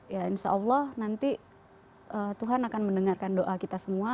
ya insya allah nanti tuhan akan mendengarkan doa kita semua